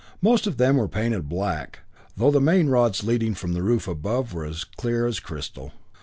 Most of them were painted black, though the main rods leading from the roof above were as clear as crystal.